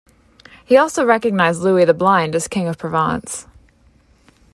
He also recognized Louis the Blind as King of Provence.